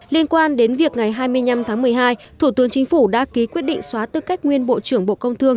liên quan đến việc ngày hai mươi năm tháng một mươi hai thủ tướng chính phủ đã ký quyết định xóa tư cách nguyên bộ trưởng bộ công thương